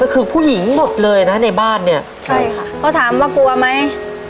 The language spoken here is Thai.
คือผู้หญิงหมดเลยนะในบ้านเนี่ยพอถามว่ากลัวไหม